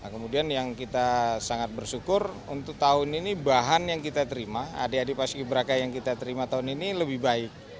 kemudian yang kita sangat bersyukur untuk tahun ini bahan yang kita terima adik adik paski beraka yang kita terima tahun ini lebih baik